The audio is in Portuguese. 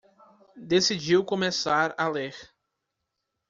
Decidiu começar a ler